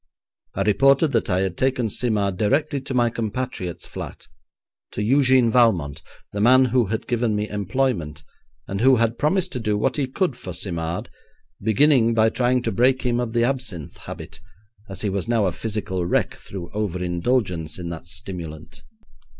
I reported that I had taken Simard directly to my compatriot's flat; to Eugène Valmont, the man who had given me employment, and who had promised to do what he could for Simard, beginning by trying to break him of the absinthe habit, as he was now a physical wreck through over indulgence in that stimulant.